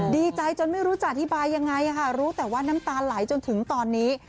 ดีใจจนไม่รู้จะอธิบายยังไงรู้แต่ว่าน้ำตาไหลจนถึงตอนนี้